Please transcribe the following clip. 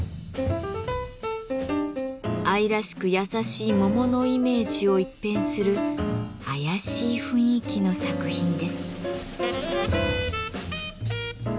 愛らしく優しい桃のイメージを一変する怪しい雰囲気の作品です。